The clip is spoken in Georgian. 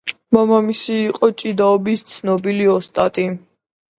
მამამისი იყო ჭიდაობის ცნობილი ოსტატი.